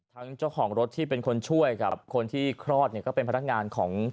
เจ้าของรถที่เป็นคนช่วยกับคนที่คลอดเนี่ยก็เป็นพนักงานของ